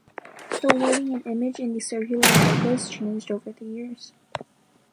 The wording and image in these circular logos changed over the years.